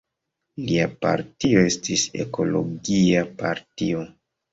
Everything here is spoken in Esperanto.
Lia partio estis Ekologia partio.